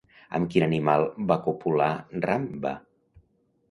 Amb quin animal va copular Rambha?